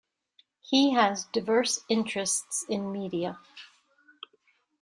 He has diverse interests in media.